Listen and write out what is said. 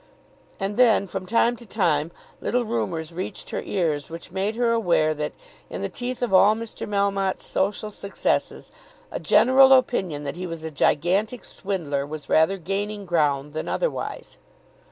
And then from time to time little rumours reached her ears which made her aware that, in the teeth of all Mr. Melmotte's social successes, a general opinion that he was a gigantic swindler was rather gaining ground than otherwise.